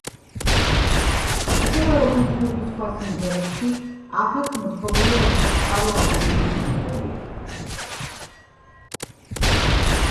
ისევე, როგორც ჯგუფის სხვა სიმღერებში, აქაც მოთხრობილია უსახლკარო ადამიანის ისტორია.